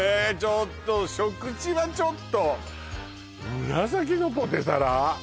ちょっと食事はちょっと紫のポテサラ？